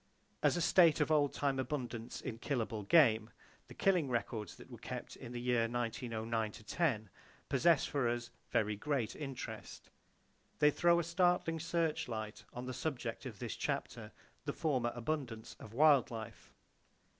As a state of oldtime abundance in killable game, the killing records that were kept in the year 1909 10 possess for us very great interest. They throw a startling searchlight on the subject of this chapter,—the former abundance of wild life.